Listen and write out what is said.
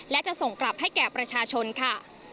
และจะส่งกลับให้แก่ประชาชนค่ะ